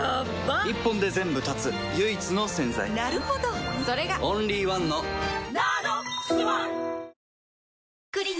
一本で全部断つ唯一の洗剤なるほどそれがオンリーワンの「ＮＡＮＯＸｏｎｅ」